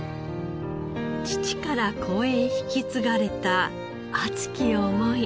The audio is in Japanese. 父から子へ引き継がれた熱き思い。